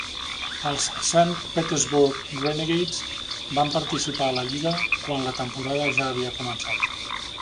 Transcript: Els Saint Petersburg Renegades van participar a la lliga quan la temporada ja havia començat.